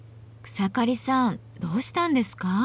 草刈さんどうしたんですか？